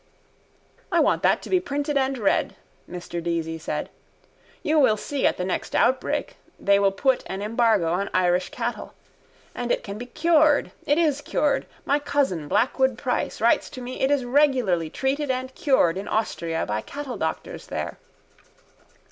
—I want that to be printed and read, Mr Deasy said. You will see at the next outbreak they will put an embargo on Irish cattle. And it can be cured. It is cured. My cousin, Blackwood Price, writes to me it is regularly treated and cured in Austria by cattledoctors there.